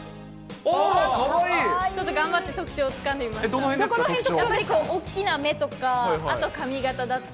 ちょっと頑張って特徴をつかんでみました。